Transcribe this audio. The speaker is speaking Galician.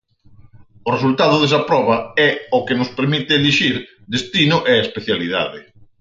O resultado desa proba é o que nos permite elixir destino e especialidade.